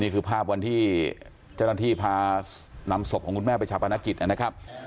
นี่คือภาพวันที่เจ้าหน้าที่พานำศพของคุณแม่ไปชาปนกิจนะครับ